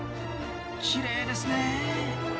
きれいですね。